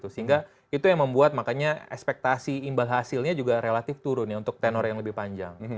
sehingga itu yang membuat makanya ekspektasi imbal hasilnya juga relatif turun untuk tenor yang lebih panjang